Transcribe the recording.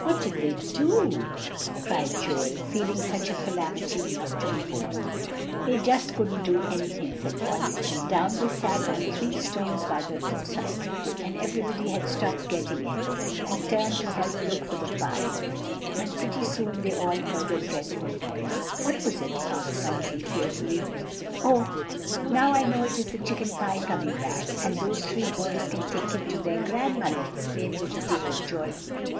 "What did they do?" cried Joel, feeling such a calamity not to be borne. "They just couldn't do anything," said Polly. "And down they sat on three stones by the roadside. And everybody had stopped getting in, and turned to help look for the pie. And pretty soon they all heard a dreadful noise." "What was it?" asked Phronsie fearfully. "Oh! now I know it is the chicken pie coming back; and those three boys can take it to their grandmother," exclaimed little David joyfully.